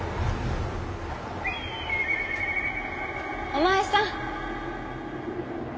お前さん。